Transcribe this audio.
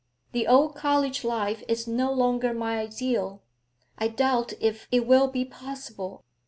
The old college life is no longer my ideal; I doubt if it will be possible.